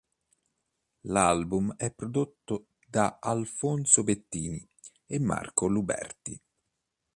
L'album è prodotto da Alfonso Bettini e Marco Luberti.